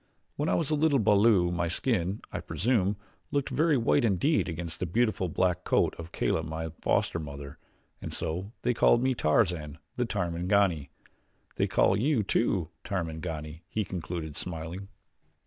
When I was a little balu my skin, I presume, looked very white indeed against the beautiful, black coat of Kala, my foster mother and so they called me Tarzan, the Tarmangani. They call you, too, Tarmangani," he concluded, smiling.